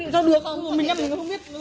không được mình nhận được không biết